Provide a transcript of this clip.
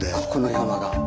ここの山が。